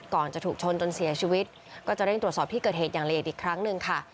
ก่อนจะถูกชนจนเสียชีวิตก็จะเร่งตรวจสอบที่เกิดเหตุอย่างละเอียดอีกครั้งหนึ่งค่ะ